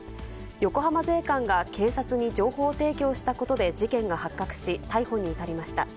横浜税関が警察に情報提供したことで事件が発覚し、逮捕に至りました。